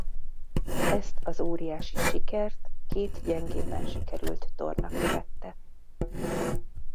Ezt az óriási sikert két gyengébben sikerült torna követte.